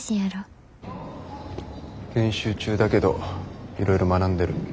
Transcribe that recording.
研修中だけどいろいろ学んでる。